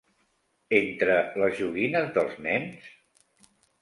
Entre les joguines dels nens?